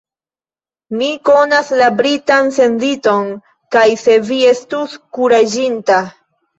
Mi konas la Britan senditon, kaj se vi estus kuraĝinta.